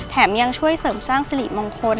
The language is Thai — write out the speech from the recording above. ยังช่วยเสริมสร้างสิริมงคล